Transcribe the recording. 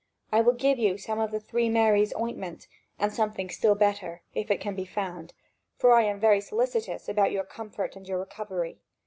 I will give you some of 'the three Marys' ointment, and something still better, if it can be found, for I am very solicitous about your comfort and your recovery.